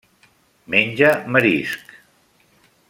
Menja marisc.